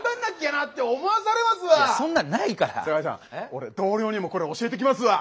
俺同僚にもこれ教えてきますわ。